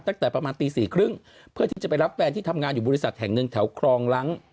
ตั้งแต่ประมาณตีสี่ครึ่งเพื่อที่จะไปรับแฟนที่ทำงานอยู่บริษัทแห่งหนึ่งแถวครองล้าง